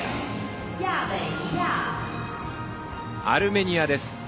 アルメニアです。